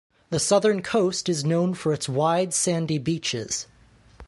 The southern coast is known for its wide sandy beaches.